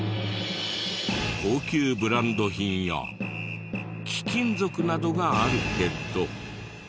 高級ブランド品や貴金属などがあるけど。